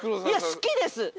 いや好きです。